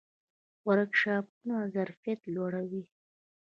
ورکشاپونه ظرفیت لوړوي